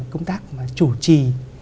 công tác chủ trì